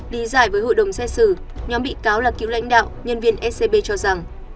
đi dạy với hội đồng xét xử nhóm bị cáo là cựu lãnh đạo nhân viên scb cho rằng